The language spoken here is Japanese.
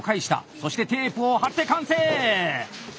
そしてテープを貼って完成！